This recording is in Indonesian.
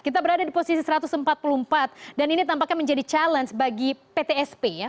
kita berada di posisi satu ratus empat puluh empat dan ini tampaknya menjadi challenge bagi ptsp ya